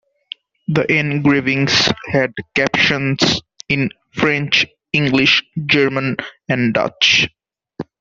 The engravings had captions in French, English, German, and Dutch.